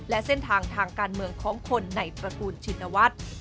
และเส้นทางทางการเมืองของคนในตระกูลชินวัฒน์